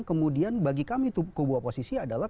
kemudian bagi kami kubu oposisi adalah